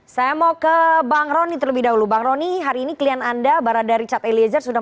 saya mau ke bang rony terlebih dahulu bang rony hari ini klien anda barada richard eliezer sudah